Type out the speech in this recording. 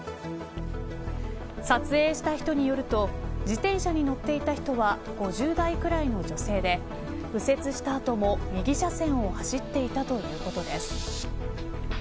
撮影した人によると自転車に乗っていた人は５０代くらいの女性で右折した後も右車線を走っていたということです。